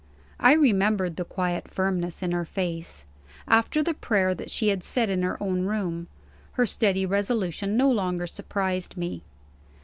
I remembered the quiet firmness in her face, after the prayer that she had said in her own room. Her steady resolution no longer surprised me.